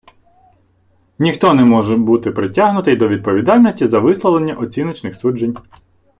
Ніхто не може бути притягнутий до відповідальності за висловлення оціночних суджень.